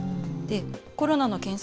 コロナの検査